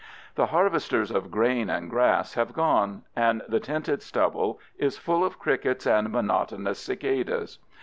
The harvesters of grain and grass have gone, and the tinted stubble is full of crickets and monotonous cicadas.